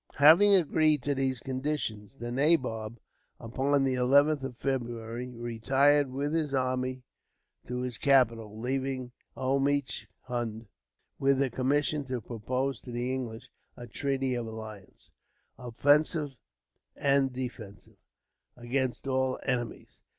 Having agreed to these conditions, the nabob, upon the 11th of February, retired with his army to his capital; leaving Omichund with a commission to propose to the English a treaty of alliance, offensive and defensive, against all enemies.